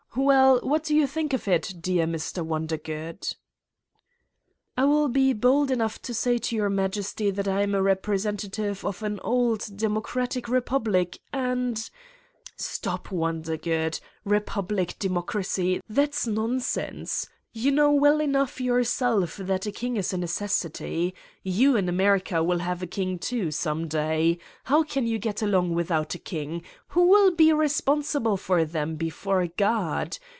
Well, what you think of it, dear Mr. Wondergood?" "I will be bold enough to say to Your Majesty that I am a representative of an old, democratic republic and ..."'' Stop, Wondergood ! Eepublic, democracy ! That's nonsense. You know well enough yourself 182 Satan's Diary that a king is a necessity. You, in America, have a king, too, some day. How can you get along without a king : who will be responsible for them before God?